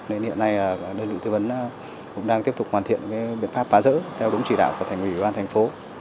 nên hiện nay đơn vị tư vấn cũng đang tiếp tục hoàn thiện biện pháp phá rỡ theo đúng chỉ đạo của thành ủy ban thành phố